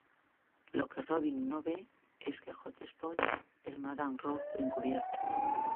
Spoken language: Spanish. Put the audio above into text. Lo que Robin no ve es que Hot Spot es Madame Rouge encubierta.